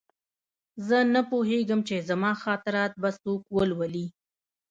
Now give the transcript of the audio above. زه نه پوهېږم چې زما خاطرات به څوک ولولي